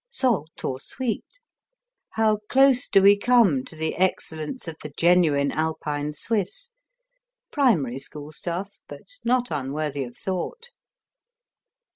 Salt or sweet? How close do we come to the excellence of the genuine Alpine Swiss? Primary school stuff, but not unworthy of thought.